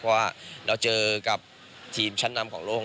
เพราะว่าเราเจอกับทีมชั้นนำของโลก